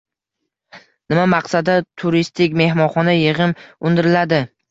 Nima maqsadda turistik-mehmonxona yig’im undiriladi?